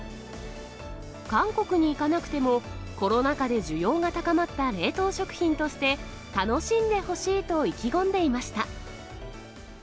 韓国に行かなくても、コロナ禍で需要が高まった冷凍食品として、楽しんでほしいと意気込んでいました。